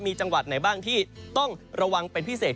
มีจังหวัดไหนบ้างที่ต้องระวังเป็นพิเศษ